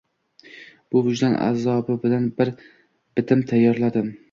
Bu vijdon azobi bilan bir bitim tayyorladim